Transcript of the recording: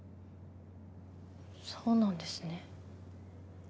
そうなんですね。